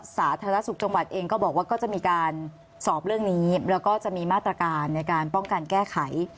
สาธารณสุขจังหวัดเองก็บอกว่าก็จะมีการสอบเรื่องนี้แล้วก็จะมีมาตรการในการป้องกันแก้ไข